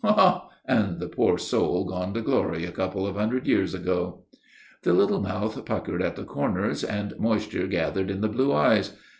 "Ha! ha! And the poor soul gone to glory a couple of hundred years ago." The little mouth puckered at the corners and moisture gathered in the blue eyes.